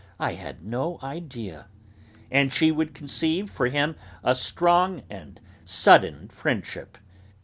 I had no idea," and she would conceive for him a strong and sudden friendship.